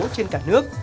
trên cả nước